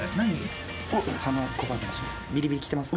ビリビリきてますか？